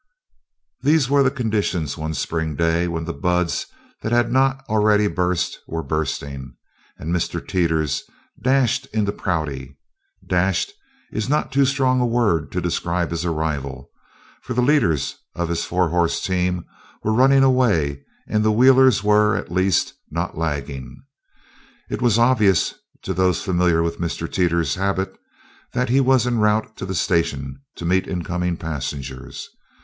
These were the conditions one spring day when the buds that had not already burst were bursting and Mr. Teeters dashed into Prouty. "Dashed" is not too strong a word to describe his arrival, for the leaders of his four horse team were running away and the wheelers were, at least, not lagging. It was obvious to those familiar with Mr. Teeters' habits that he was en route to the station to meet incoming passengers.